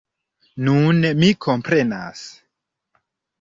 Nun mi komprenas!